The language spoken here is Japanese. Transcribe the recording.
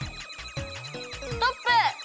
ストップ！